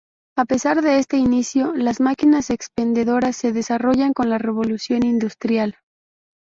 A pesar de este inicio, las máquinas expendedoras se desarrollan con la Revolución industrial.